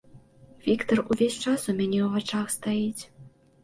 Віктар увесь час ў мяне ў вачах стаіць.